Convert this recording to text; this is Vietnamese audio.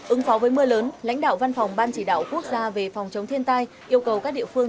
ứng phó với mưa lớn lãnh đạo văn phòng ban chỉ đạo quốc gia về phòng chống thiên tai yêu cầu các địa phương